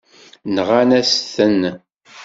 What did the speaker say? Nɣan-asen-ten.